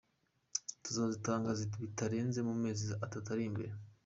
Tuzazitanga bitarenze mu mezi atatu ari imbere.